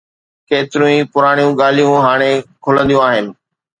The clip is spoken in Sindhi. ڪيتريون ئي پراڻيون ڳالهيون هاڻي کلنديون آهن.